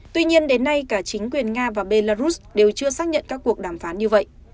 tuy nhiên đến nay cả chính quyền nga và belarus đều chưa xác nhận các cuộc đàm phán như vậy